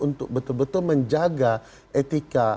untuk betul betul menjaga etika